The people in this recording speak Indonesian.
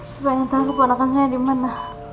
siapa yang tahu keponakan saya dimana